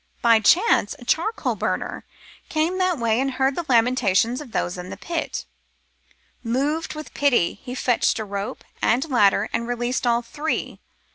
By chance a charcoal burner came that way and heard the lamentations of those in the pit : Moved with pity, he fetched a rope and ladder and released all three.